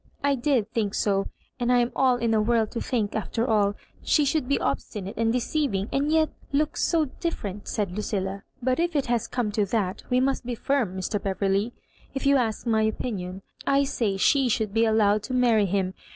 I did think so; and I am all in a whiri to think, after all, she should be obstinate and deceiving, and yet look so different!" said LueiUa. "But if it has come to that, we must be firm, Mr. Beverley. If you ask my opinion, I say she should be allowed to marry him.